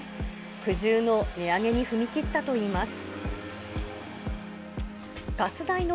苦渋の値上げに踏み切ったといいます。